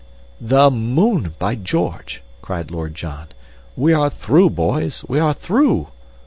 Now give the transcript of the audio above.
"The moon, by George!" cried Lord John. "We are through, boys! We are through!"